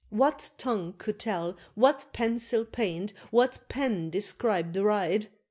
What tongue could tell, what pencil paint, what pen describe the ride?